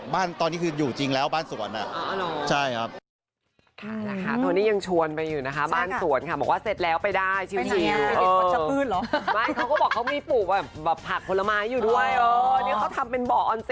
บ้านตอนนี้คืออยู่จริงแล้วบ้านสวน